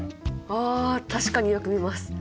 あ確かによく見ます。